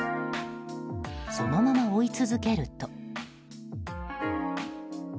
そのまま追い続けると。